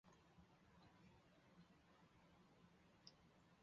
而乔布斯本人也承认了该电脑的确是以女儿的名字命名的。